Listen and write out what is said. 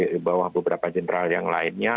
di bawah beberapa jenderal yang lainnya